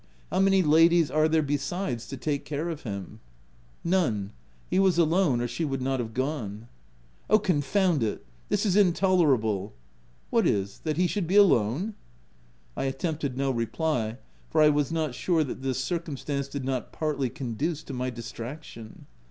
— how many ladies are there besides, to take care of him V " None : he was alone, or she would not have gone/' H Oh, confound it ! this is intolerable !"" What is ? that he should be alone }" I attempted no reply, for I was not sure that this circumstance did not partly conduce to my distraction.